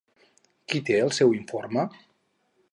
Qui té el seu informe?